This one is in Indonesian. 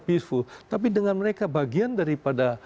peaceful tapi dengan mereka bagian daripada